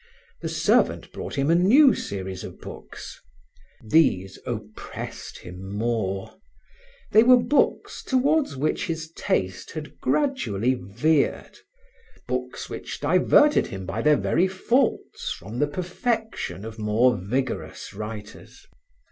The servant brought him a new series of books. These oppressed him more. They were books toward which his taste had gradually veered, books which diverted him by their very faults from the perfection of more vigorous writers.